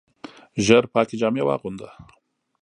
ژر پاکي جامې واغونده !